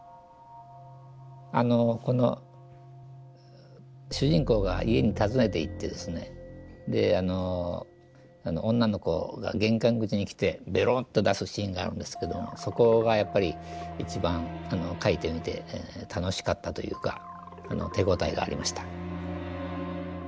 あのこの主人公が家に訪ねていってですねであの女の子が玄関口に来てベロンと出すシーンがあるんですけどそこがやっぱり一番描いてみて楽しかったというか手応えがありました。